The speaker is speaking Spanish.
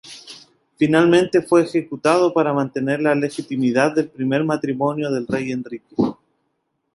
Finalmente fue ejecutado para mantener la legitimidad del primer matrimonio del rey Enrique.